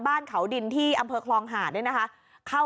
ที่วันนี้ที่ก็เต็มแล้วนะครับ